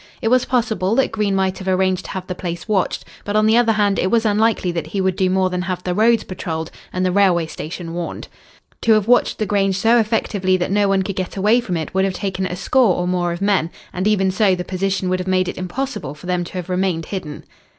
It was possible that Green might have arranged to have the place watched, but, on the other hand, it was unlikely that he would do more than have the roads patrolled and the railway station warned. To have watched the Grange so effectively that no one could get away from it would have taken a score or more of men, and even so the position would have made it impossible for them to have remained hidden.